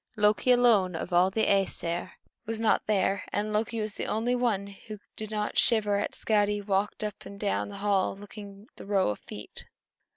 Loki alone, of all the Æsir, was not there; and Loki was the only one who did not shiver as Skadi walked up and down the hall looking at the row of feet.